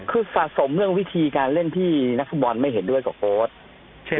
คือสะสมเรื่องวิธีการเล่นที่นักฟุตบอลไม่เห็นด้วยกับโค้ด